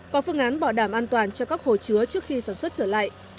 và phương án bỏ đảm an toàn cho các hồ chứa trước khi sản xuất trở lại